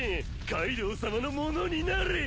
カイドウさまのものになれ！